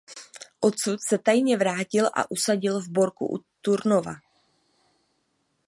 Odsud se tajně vrátil a usadil v Borku u Turnova.